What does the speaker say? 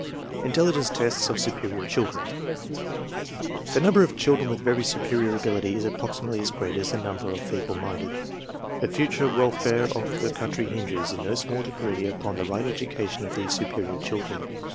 Intelligence tests of superior children. The number ef children with very superior ability is approximately as great as the number of feeble minded. The future wel fare of the country hinges, in no small degree, upon the right education of these superior children.